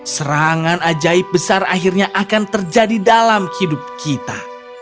serangan ajaib besar akhirnya akan terjadi dalam hidup kita